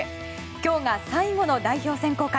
今日が最後の代表選考会。